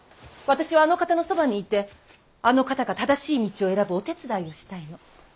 私はあの方のそばにいてあの方が正しい道を選ぶお手伝いをしたいの。